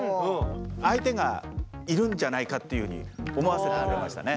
相手がいるんじゃないかっていうふうに思わせてくれましたね。